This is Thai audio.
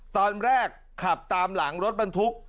ตอนแรกขับตามหลังรถบรรทุก